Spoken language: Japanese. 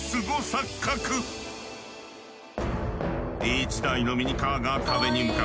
一台のミニカーが壁に向かっている。